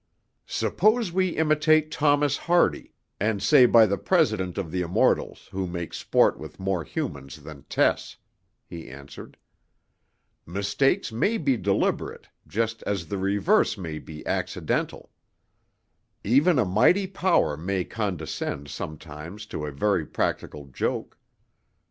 "Suppose we imitate Thomas Hardy, and say by the President of the Immortals, who makes sport with more humans than Tess," he answered. "Mistakes may be deliberate, just as their reverse may be accidental. Even a mighty power may condescend sometimes to a very practical joke.